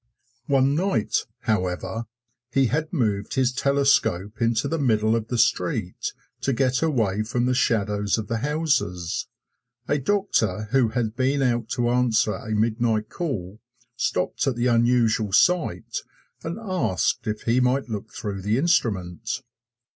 One night, however, he had moved his telescope into the middle of the street to get away from the shadows of the houses. A doctor who had been out to answer a midnight call stopped at the unusual sight and asked if he might look through the instrument.